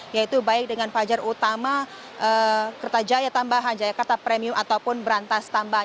yaitu baik dengan fajar utama kereta jaya tambahan jaya karta premium ataupun berantas tambahan